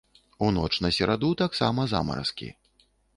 У ноч на сераду таксама замаразкі.